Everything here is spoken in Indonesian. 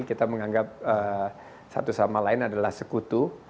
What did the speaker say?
kita menganggap satu sama lain adalah sekutu